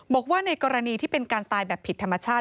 บอกว่าในกรณีที่เป็นการตายแบบผิดธรรมชาติ